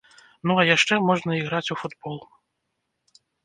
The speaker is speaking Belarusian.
Ну, а яшчэ можна іграць у футбол.